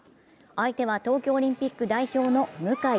相手は東京オリンピック代表の向。